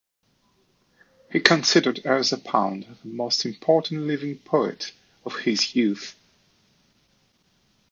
He considered Ezra Pound the most important living poet of his youth.